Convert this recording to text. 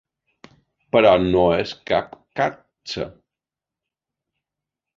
Però no és cap catxa.